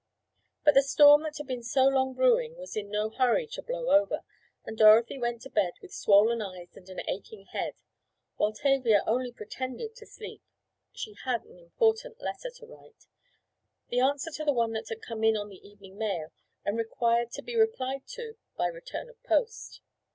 But the storm that had been so long brewing was in no hurry to blow over, and Dorothy went to bed with swollen eyes and an aching head, while Tavia only pretended to sleep—she had an important letter to write—an answer to the one that had come in on the evening mail, and required to be replied to by return of post.